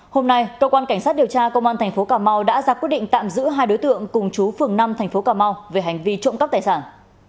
hôm nay cơ quan cảnh sát điều tra công an thành phố cà mau đã ra quyết định tạm giữ hai đối tượng cùng chú phường năm tp cà mau về hành vi trộm cắp tài sản